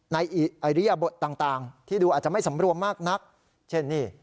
ในอริยบทต่างที่ดูอาจจะไม่สำรวมมากนักเช่นนี่